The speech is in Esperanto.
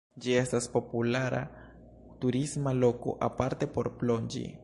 Ĝi estas populara turisma loko, aparte por plonĝi.